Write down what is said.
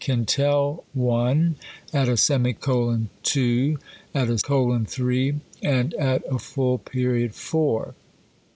can tell one, at a semicolon two, at a colon three, aiid at a full period four.